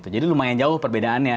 jadi lumayan jauh perbedaannya